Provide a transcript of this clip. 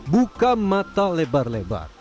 buka mata lebar lebar